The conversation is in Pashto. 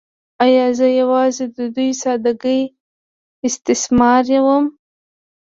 “ایا زه یوازې د دوی ساده ګۍ استثماروم؟